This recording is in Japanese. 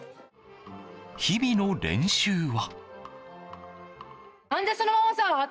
日々の練習は。